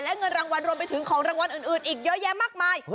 และเงินรางวัลรวมไปถึงของรางวัลอื่นอีกเยอะแยะมากมาย